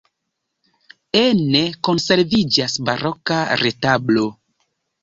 Ene konserviĝas baroka retablo.